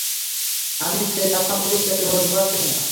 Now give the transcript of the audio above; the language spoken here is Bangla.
আমি সেই লাশ সম্পর্কে বিস্তারিত বলতে পারছি না।